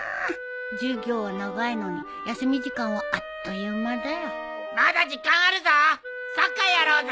授業は長いのに休み時間はあっという間だよ。まだ時間あるぞサッカーやろうぜ！